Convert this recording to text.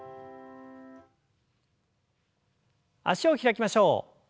脚を開きましょう。